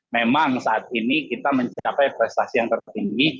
memang saat ini kita mencapai prestasi yang tertinggi